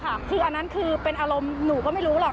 คืออันนั้นคือเป็นอารมณ์หนูก็ไม่รู้หรอก